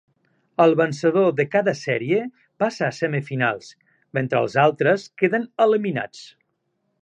El vencedor de cada sèrie passa a semifinals, mentre els altres queden eliminats.